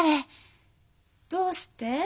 どうして？